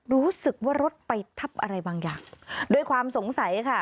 รู้สึกว่ารถไปทับอะไรบางอย่างด้วยความสงสัยค่ะ